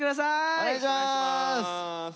お願いします。